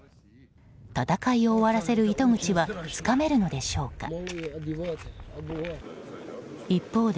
戦いを終わらせる糸口はつかめるのでしょうか。